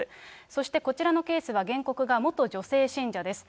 そして、こちらのケースは原告が元女性信者です。